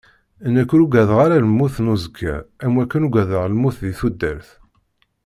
Nekk ur uggadeɣ ara lmut n uẓekka am wakken uggadeɣ lmut di tudert.